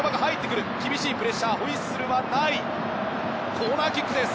コーナーキックです。